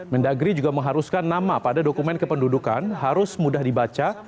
mendagri juga mengharuskan nama pada dokumen kependudukan harus mudah dibaca